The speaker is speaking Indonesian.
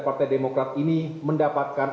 partai demokrat ini mendapatkan